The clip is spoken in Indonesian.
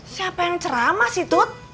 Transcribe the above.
siapa yang ceramah sih tut